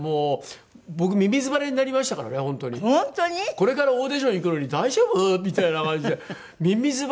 これからオーディション行くのに大丈夫？みたいな感じでミミズ腫れで。